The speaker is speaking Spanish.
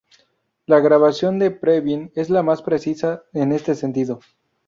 La grabación de Previn es la más precisa en este sentido.